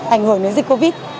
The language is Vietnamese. ảnh hưởng đến dịch covid